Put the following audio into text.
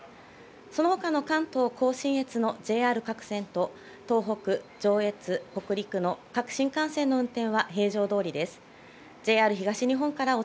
そのほかの関東甲信越のＪＲ各線と東北、上越、北陸の各新幹線の運行は平常どおりです。